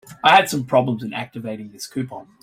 I had some problems in activating this coupon.